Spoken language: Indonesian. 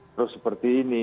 terus seperti ini